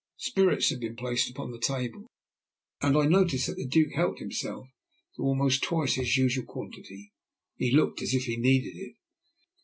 Spirits had been placed upon the table, and I noticed that the Duke helped himself to almost twice his usual quantity. He looked as if he needed it.